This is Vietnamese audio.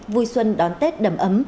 vui xuân đón tết đầm ấm